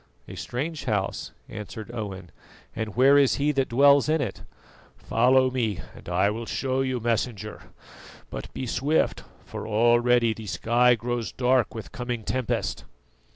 "A strange house," answered Owen, "and where is he that dwells in it?" "Follow me and I will show you, Messenger; but be swift, for already the sky grows dark with coming tempest."